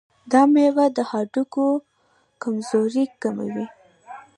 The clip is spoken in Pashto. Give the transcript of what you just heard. دا مېوه د هډوکو کمزوري کموي.